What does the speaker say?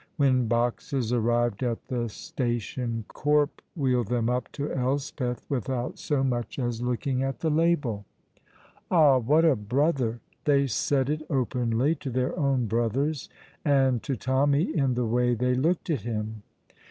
When boxes arrived at the station Corp wheeled them up to Elspeth without so much as looking at the label. Ah, what a brother! They said it openly to their own brothers, and to Tommy in the way they looked at him.